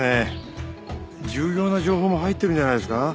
重要な情報も入っているんじゃないですか？